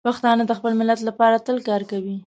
پښتانه د خپل ملت لپاره تل کار کوي.